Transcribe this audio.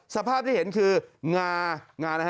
สภาพที่เห็นคืองา